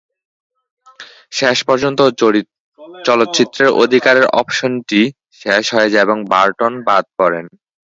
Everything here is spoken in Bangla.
শেষ পর্যন্ত চলচ্চিত্রের অধিকারের অপশনটি শেষ হয়ে যায় এবং বার্টন বাদ পড়েন।